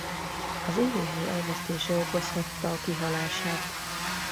Az élőhely elvesztése okozhatta a kihalását.